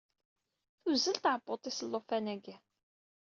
Tuzzel tɛebbuḍt-is llufan-agi.